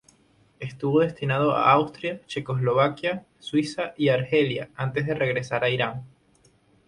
Estuvo destinado en Austria, Checoslovaquia, Suiza y Argelia antes de regresar a Irán.